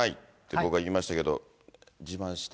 僕は言いましたけど、自慢して。